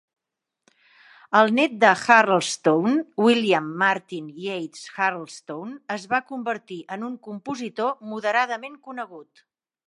El net de Hurlstone, William Martin Yeates Hurlstone es va convertir en un compositor moderadament conegut.